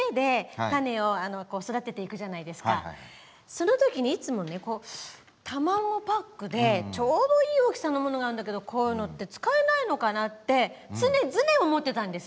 その時にいつもね卵パックでちょうどいい大きさのものがあるんだけどこういうのって使えないのかなって常々思ってたんですよ。